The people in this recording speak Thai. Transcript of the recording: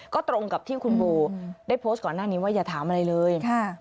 ก็ตรงกับที่คุณโบได้โพสต์ก่อนหน้านี้ว่าอย่าถามอะไรเลย